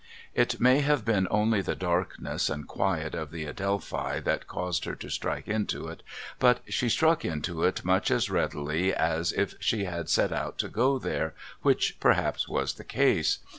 It may have been only the darkness and quiet of the Adelphi that caused her to strike into it but she struck into it much as readily as if she had set out to go there, which perhaps was the case.